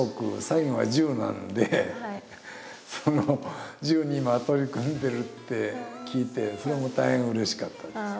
最後は「住」なんでその「住」に今取り組んでるって聞いてそれも大変うれしかったです。